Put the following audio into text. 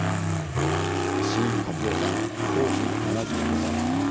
石井和夫さん、当時７５歳。